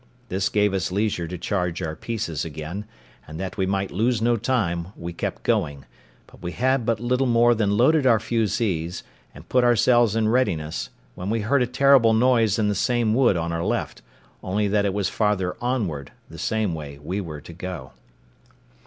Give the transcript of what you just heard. This gave us leisure to charge our pieces again; and that we might lose no time, we kept going; but we had but little more than loaded our fusees, and put ourselves in readiness, when we heard a terrible noise in the same wood on our left, only that it was farther onward, the same way we were to go.